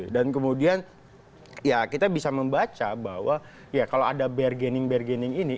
dan kemudian ya kita bisa membaca bahwa ya kalau ada bergening bergening ini